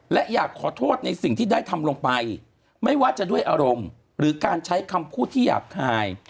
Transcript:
และอยากขอโทษในสิ่งที่ได้ทำลงไปไม่ว่าจะด้วยอารมณ์หรือการใช้คำพูดที่หยาบคาย